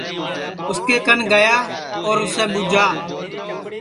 اُس کے کن گیا اور اُسے ٻوجھا